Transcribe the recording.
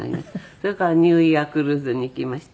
それからニューイヤークルーズに行きまして。